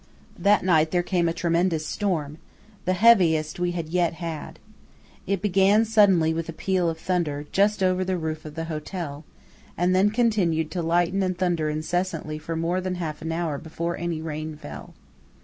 That night there came a tremendous storm; the heaviest we had yet had. It began suddenly, with a peal of thunder, just over the roof of the hotel, and then continued to lighten and thunder incessantly for more than half an hour before any rain fell.